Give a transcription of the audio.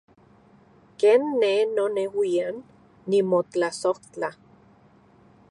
Ken ne noneuian nimotlasojtla.